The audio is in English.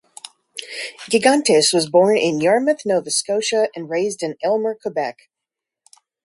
Gigantes was born in Yarmouth, Nova Scotia and raised in Aylmer, Quebec.